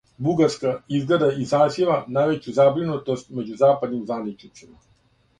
Бугарска изгледа изазива највећу забринутост међу западним званичницима.